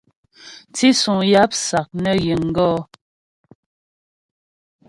Tísuŋ yáp sák nə ghíŋ gɔ̌.